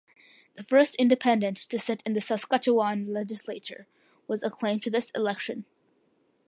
The first Independent to sit in the Saskatchewan legislature was acclaimed this election.